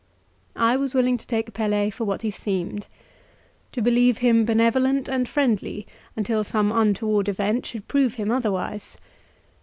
I was willing to take Pelet for what he seemed to believe him benevolent and friendly until some untoward event should prove him otherwise.